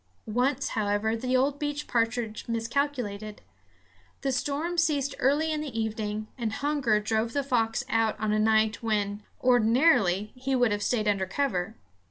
Once, however, the old beech partridge miscalculated. The storm ceased early in the evening, and hunger drove the fox out on a night when, ordinarily, he would have stayed under cover.